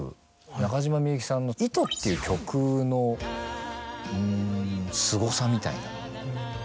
中島みゆきさんの『糸』っていう曲のすごさみたいなのを。